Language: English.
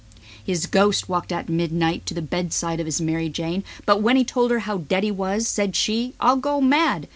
His ghost walked at midnight to the bedside of his Mar i Jane He told her how dead he was; said she: "I'll go mad."